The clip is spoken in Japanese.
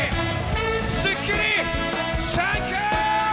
『スッキリ』サンキュー！